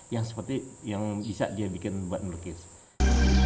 yang seperti yang bisa dia bikin buat melukis